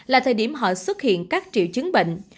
là thời điểm họ xuất hiện các triệu chứng bệnh